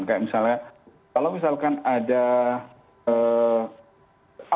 kalau misalkan ada apakah semua pelanggaran hukum ya